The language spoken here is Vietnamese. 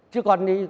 chứ còn đi